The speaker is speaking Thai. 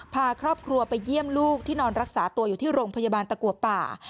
พาครอบครัวไปเยี่ยมลูกที่นอนรักษาตัวอยู่ที่โรงพยาบาลตะกัวป่า